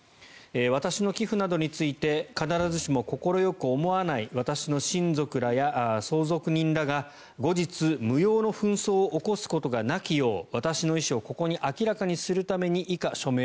私の寄付などについて必ずしも快く思わない私の親族らや相続人らが後日、無用の紛争を起こすことがなきよう私の意志をここに明らかにするために以下、署名・